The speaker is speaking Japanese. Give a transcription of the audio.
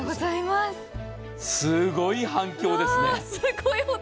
すごい反響ですね。